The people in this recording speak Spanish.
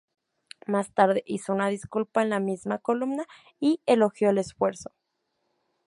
Más tarde hizo una disculpa en la misma columna y elogió el esfuerzo.